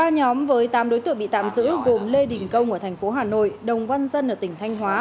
ba nhóm với tám đối tượng bị tạm giữ gồm lê đình công ở tp hà nội đồng văn dân ở tp thanh hóa